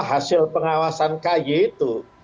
hasil pengawasan ky itu